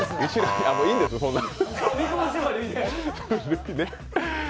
いいんです、そんなん。